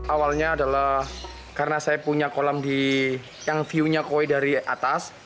awalnya adalah karena saya punya kolam yang view nya koi dari atas